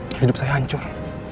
sekarang hidup saya hancur